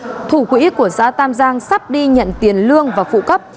trong việc thủ quỹ của xã tam giang sắp đi nhận tiền lương và phụ cấp